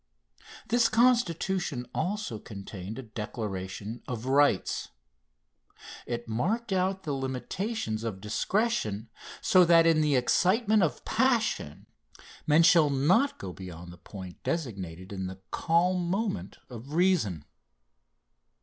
This Constitution also contained a declaration of rights. It marked out the limitations of discretion, so that in the excitement of passion, men shall not go beyond the point designated in the calm moment of reason.